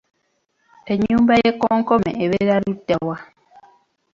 Ennyumba y’ekkonkome ebeera ludda wa?